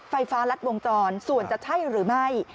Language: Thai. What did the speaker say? ไฟฟ้ารัดวงจรส่วนจะใช่หรือไม่